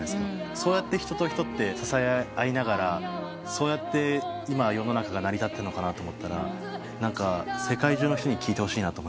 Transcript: そうやって人と人って支え合いながらそうやって今世の中が成り立ってるのかなと思ったら世界中の人に聴いてほしいなと。